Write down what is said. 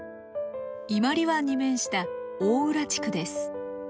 伊万里湾に面した大浦地区です。